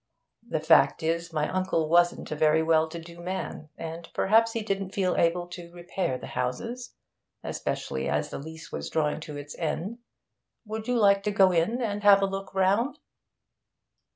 The fact is, my uncle wasn't a very well to do man, and perhaps he didn't feel able to repair the houses, especially as the lease was drawing to its end. Would you like to go in and have a look round?'